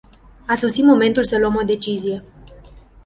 A sosit momentul să luăm o decizie.